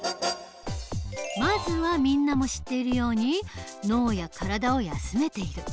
まずはみんなも知っているように脳や体を休めている。